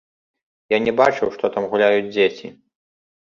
Я не бачыў, што там гуляюць дзеці.